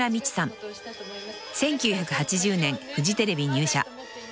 ［１９８０年フジテレビ入社］